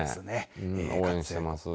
応援してます。